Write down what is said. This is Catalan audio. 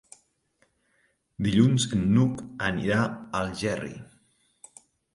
Dilluns n'Hug anirà a Algerri.